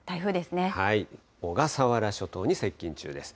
小笠原諸島に接近中です。